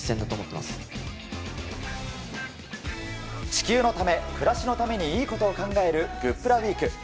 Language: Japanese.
地球のため暮らしのためにいいことを考えるグップラウィーク。